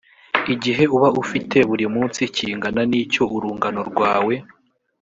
igihe uba ufite buri munsi kingana n icyo urungano rwawe